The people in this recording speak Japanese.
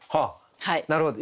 なるほど。